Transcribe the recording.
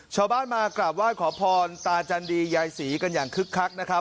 ชาวบ้านมากราบไหว้ขอพรตาจันดียายศรีกันอย่างคึกคักนะครับ